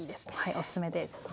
おすすめです。